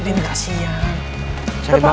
tunggu pak senderang aja pak